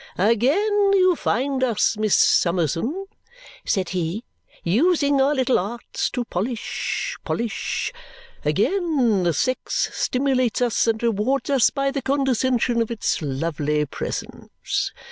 "Again you find us, Miss Summerson," said he, "using our little arts to polish, polish! Again the sex stimulates us and rewards us by the condescension of its lovely presence.